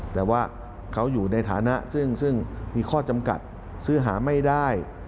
แต่ว่าเขาอยู่ในฐานะซึ่งมีข้อจำกัดซื้อหาไม่ได้